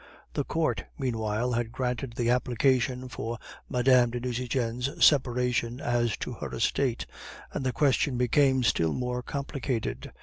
"The Court meanwhile had granted the application for Mme. de Nucingen's separation as to her estate, and the question became still more complicated.